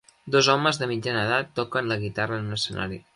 Dos homes de mitjana edat toquen la guitarra en un escenari.